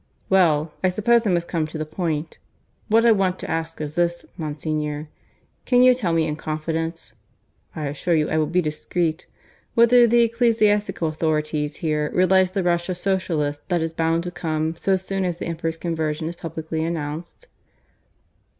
"Well, I suppose I must come to the point. What I want to ask is this, Monsignor. Can you tell me in confidence (I assure you I will be discreet) whether the ecclesiastical authorities here realize the rush of Socialists that is bound to come, so soon as the Emperor's conversion is publicly announced."